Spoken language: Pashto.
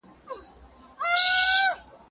زه له سهاره د کتابتوننۍ سره مرسته کوم؟